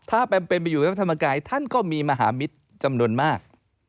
ถ้าแปมเป็นไปอยู่กับพระธรรมกายท่านก็มีมหามิตรจำนวนมาก